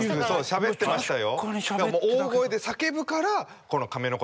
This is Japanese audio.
しゃべってましたよ。